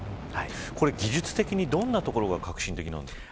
これは、技術的にどんなところが革新的なんですか。